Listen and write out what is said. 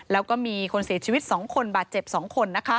แล้วก็มีคนเสียชีวิต๒คนบาดเจ็บ๒คน